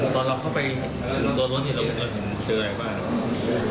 ตอนเราเข้าไปตัวรถนี่เราไปเจออะไรบ้าง